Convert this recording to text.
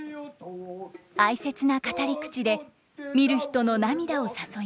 哀切な語り口で見る人の涙を誘いました。